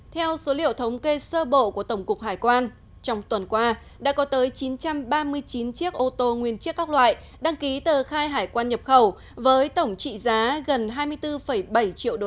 theo số liệu thống kê sơ bộ của tổng cục hải quan trong tuần qua đã có tới chín trăm ba mươi chín chiếc ô tô nguyên chiếc các loại đăng ký tờ khai hải quan nhập khẩu với tổng trị giá gần hai mươi bốn bảy triệu usd